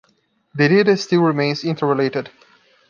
The data still remains interrelated.